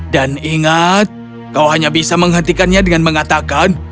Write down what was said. dan ingat kau hanya bisa menghentikannya dengan mengatakan